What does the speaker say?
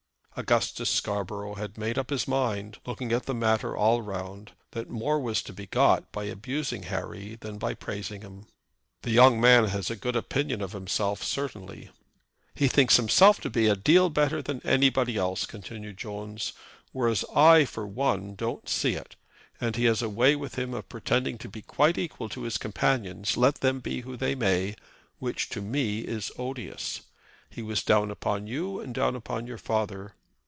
Augustus Scarborough had made up his mind, looking at the matter all round, that more was to be got by abusing Harry than by praising him. "The young man has a good opinion of himself certainly." "He thinks himself to be a deal better than anybody else," continued Jones, "whereas I for one don't see it. And he has a way with him of pretending to be quite equal to his companions, let them be who they may, which to me is odious. He was down upon you and down upon your father.